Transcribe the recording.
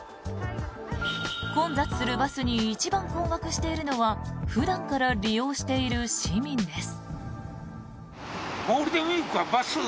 混雑するバスに一番困惑しているのは普段から利用している市民です。